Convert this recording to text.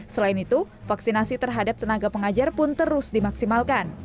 selain itu vaksinasi terhadap tenaga pengajar pun terus dimaksimalkan